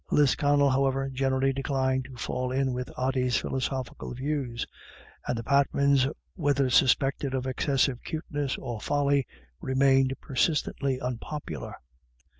Lisconnel, however, generally declined to fall in with Ody's philosophical views, and the Patmans, whether suspected of excessive cuteness or folly, remained persistently unpopular.